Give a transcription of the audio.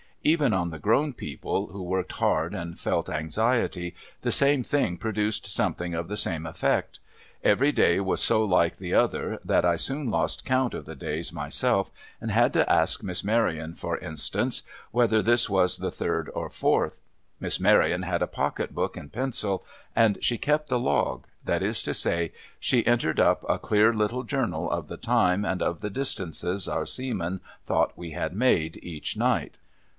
Even on the grown people, who worked hard and felt anxiety, the same thing produced something of the same effect. y.wry day was so like the other, that I soon lost count of the days, myself, and had to ask Miss Maryon, for instance, whether this was the third or fourth? Miss Maryon had a pocket book and pencil, and she kept the log : that is to say, she entered up a clear little journal of the time, and of the distances our seamen thought we had made, each night.